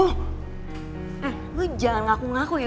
eh lo jangan ngaku ngaku ya